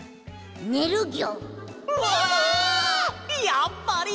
やっぱり！